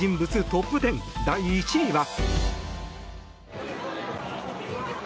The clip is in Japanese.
トップ１０第１位は。